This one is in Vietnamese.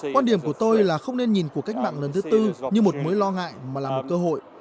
quan điểm của tôi là không nên nhìn cuộc cách mạng lần thứ tư như một mối lo ngại mà là một cơ hội